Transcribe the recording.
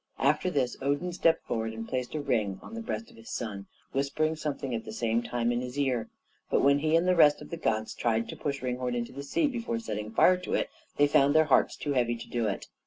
After this Odin stepped forward and placed a ring on the breast of his son, whispering something at the same time in his ear; but when he and the rest of the gods tried to push Ringhorn into the sea before setting fire to it, they found their hearts too heavy to do it.